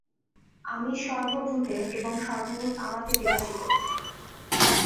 আমি সর্বভূতে এবং সর্বভূত আমাতে বিরাজিত।